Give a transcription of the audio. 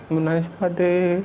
menangis pak d